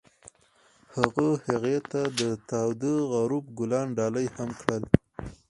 هغه هغې ته د تاوده غروب ګلان ډالۍ هم کړل.